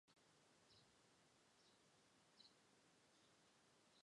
诸蒲县是越南嘉莱省下辖的一个县。